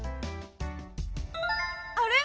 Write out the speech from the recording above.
あれ？